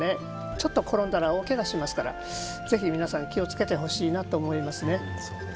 ちょっと転んだら大けがをしますからぜひ皆さん気をつけてほしいなと思いますね。